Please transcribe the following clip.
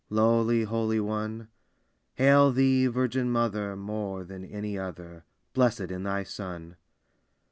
Lowly, holy One! Hail thee, Virgin Mother, More than any other Blessed in thy Son!